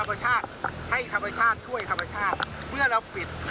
นั่นคือทะเลกลับอีกทาง